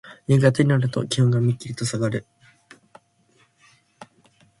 夕方になると気温はめっきりとさがる。